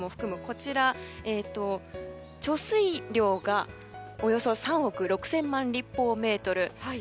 こちら、貯水量がおよそ３億６０００万立方メートル。